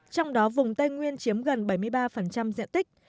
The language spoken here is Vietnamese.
trong đó vùng tây nguyên chiếm gần bảy mươi ba diện tích